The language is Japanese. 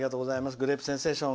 「グレープセンセーション」